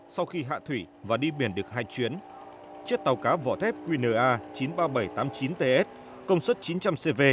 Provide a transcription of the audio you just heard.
sau khi hạ thủy và đi biển được hai chuyến chiếc tàu cá vỏ thép qna chín mươi ba nghìn bảy trăm tám mươi chín ts công suất chín trăm linh cv